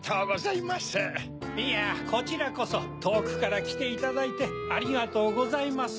いやこちらこそとおくからきていただいてありがとうございます。